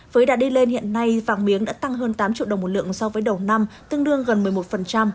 với đã đi lên hiện nay vàng miếng đã tăng hơn tám triệu đồng một lượng so với đầu năm tương đương gần một mươi một